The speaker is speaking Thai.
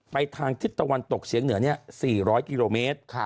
ทางทิศตะวันตกเฉียงเหนือ๔๐๐กิโลเมตร